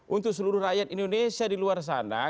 untuk seluruh rakyat indonesia di luar sana